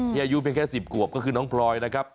ที่อายุแค่๑๐กว่าก็คือน้องพลอยนะครับ